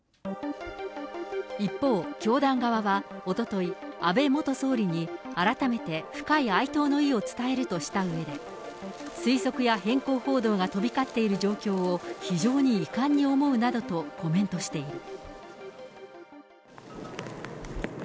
一方、教団側はおととい、安倍元総理に改めて深い哀悼の意を伝えるとしたうえで、推測や偏向報道が飛び交っている状況を非常に遺憾に思うなどとコメントしている。